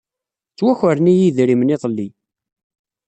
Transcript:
Ttwakren-iyi yedrimen iḍelli.